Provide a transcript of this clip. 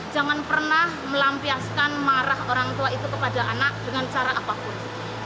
jangan pernah melampiaskan marah orang tua itu kepada anak dengan cara apapun